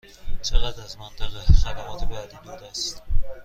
چقدر از منطقه خدمات بعدی دور است؟